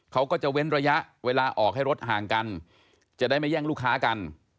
เขาก็จะเว้นระยะเวลาออกให้รถห่างกันจะได้ไม่แย่งลูกค้ากัน